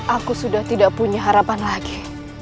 aku sudah tidak punya harapan lagi